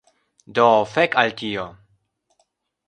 Do fek al tio